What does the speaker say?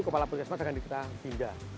kepala puskesmas akan kita pindah